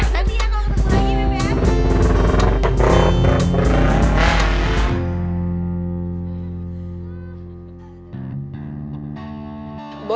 nanti ya kalo ketemu lagi bebep